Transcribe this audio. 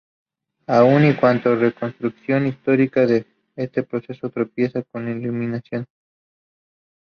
Aun y cuando la reconstrucción histórica de este proceso "tropieza con limitaciones".